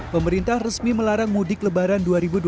pemerintah resmi melarang mudik lebaran dua ribu dua puluh